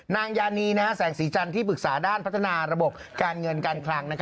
นางยานีแสงสีจันทร์ที่ปรึกษาด้านพัฒนาระบบการเงินการคลัง